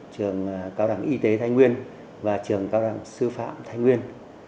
trường cao đẳng y tế thái nguyên và trường cao đẳng sư phạm thái nguyên